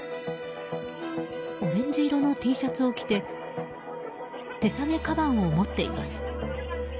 オレンジ色のＴシャツを着て手提げかばんを持っています。